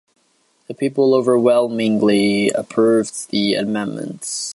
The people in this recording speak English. The people overwhelmingly approved the amendments.